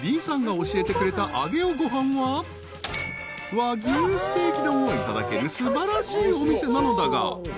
［和牛ステーキ丼をいただける素晴らしいお店なのだが］